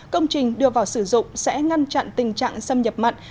công trình đưa vào sử dụng sẽ ngăn chặn tình trạng xâm nhập mặn